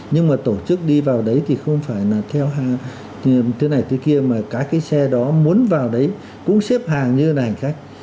nhưng mà tổ chức đi vào đấy thì không phải là theo thứ này thứ kia mà cả cái xe đó muốn vào đấy cũng xếp hàng như là hành khách